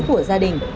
của gia đình